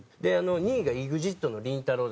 ２位がＥＸＩＴのりんたろー。